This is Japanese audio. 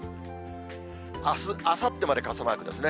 あす、あさってまで傘マークですね。